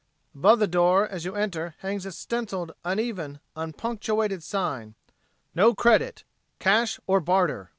Above the door as you enter hangs a stenciled, uneven, unpunctuated sign, "NO CREDIT CASH OR BARTER."